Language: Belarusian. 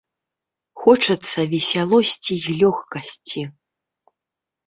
Хочацца весялосці і лёгкасці.